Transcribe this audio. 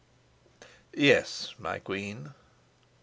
"Yes, my queen."